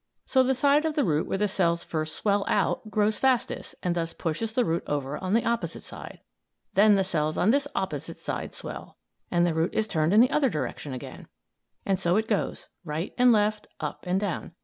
So the side of the root where the cells first swell out grows fastest and thus pushes the root over on the opposite side. Then the cells on this opposite side swell, and the root is turned in the other direction again. So it goes right and left, up and down.